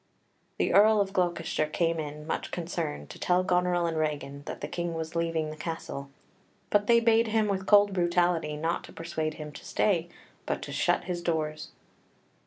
The Earl of Gloucester came in much concern to tell Goneril and Regan that the King was leaving the castle, but they bade him with cold brutality not to persuade him to stay, but to shut his doors.